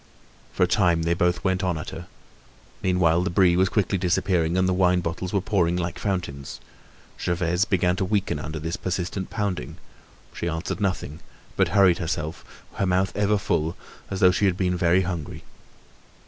For a time they both went on at her. Meanwhile, the Brie was quickly disappearing and the wine bottles were pouring like fountains. Gervaise began to weaken under this persistent pounding. She answered nothing, but hurried herself, her mouth ever full, as though she had been very hungry.